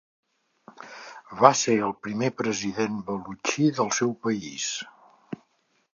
Va ser el primer president balutxi del seu país.